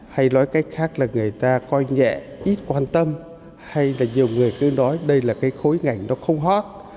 hay nói cách khác là người ta coi nhẹ ít quan tâm hay là nhiều người cứ nói đây là cái khối ngành nó không hot